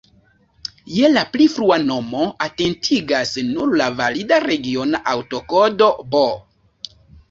Je la pli frua nomo atentigas nur la valida regiona aŭtokodo "B".